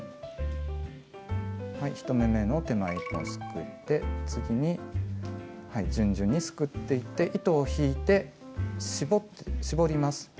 はい１目めの手前１本すくって次に順々にすくっていって糸を引いて絞ります。